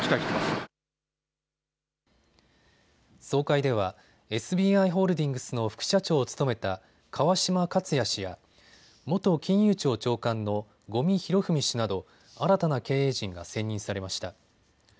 総会ではＳＢＩホールディングスの副社長を務めた川島克哉氏や元金融庁長官の五味廣文氏など新たな経営陣が選任されました。